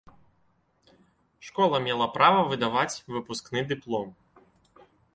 Школа мела права выдаваць выпускны дыплом.